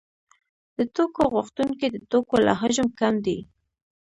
د توکو غوښتونکي د توکو له حجم کم دي